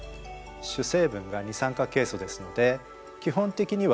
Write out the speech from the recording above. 主成分が二酸化ケイ素ですので基本的には無色です。